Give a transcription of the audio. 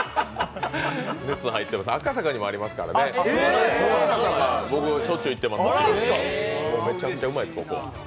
熱入っています、赤坂にもありますからね、赤坂、僕、しょっちゅう行ってます、めちゃくちゃうまいです、ここ。